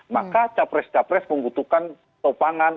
maka capres capres membutuhkan topangan